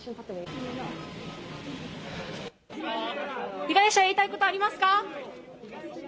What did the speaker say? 被害者へ言いたいことありますか？